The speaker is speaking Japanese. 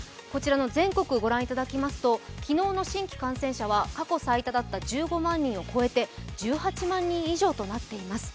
全国を御覧いただきますと、昨日の新規感染者は過去最多だった１５万人を超えて１８万人以上となっています。